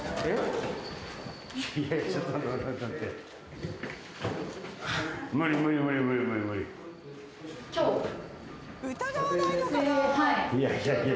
いやいやいやいや。